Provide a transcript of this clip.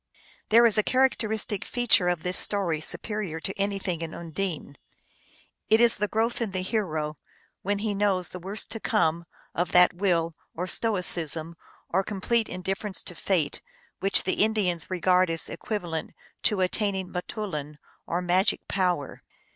There is a characteristic feature of this story supe rior to anything in Undine. It is the growth in the hero, when he knows the worst to come, of that will, or stoicism, or complete indifference to fate, which the Indians regard as equivalent to attaining m toulin, or magic power.